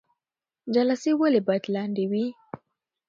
جلسې ولې باید لنډې وي؟